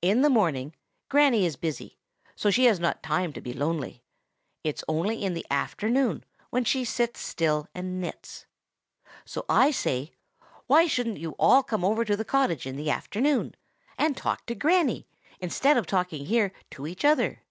In the morning Granny is busy, so she has not time to be lonely. It's only in the afternoon, when she sits still and knits. So I say, why shouldn't you all come over to the cottage in the afternoon, and talk to Granny instead of talking here to each other?